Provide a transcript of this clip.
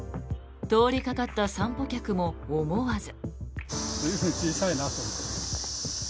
通りかかった散歩客も思わず。